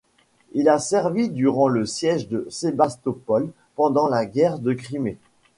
Il a servi durant le Siège de Sébastapol pendant la Guerre de Crimée.